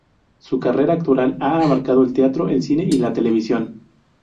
Su carrera actoral ha abarcado el teatro, el cine y la televisión.